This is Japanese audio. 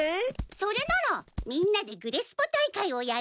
それならみんなでグレスポ大会をやるの。